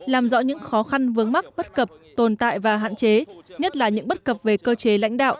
làm rõ những khó khăn vướng mắc bất cập tồn tại và hạn chế nhất là những bất cập về cơ chế lãnh đạo